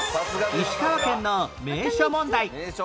石川県の名所問題